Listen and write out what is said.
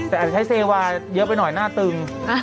แต่อาจจะใช้เซวาเยอะไปหน่อยหน้าตึง